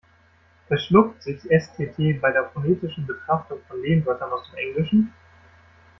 "Verschluckt" sich S-T-T bei der phonetischen Betrachtung von Lehnwörtern aus dem Englischen?